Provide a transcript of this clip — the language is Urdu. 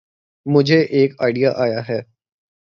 مجھے ایک آئڈیا آیا تھا۔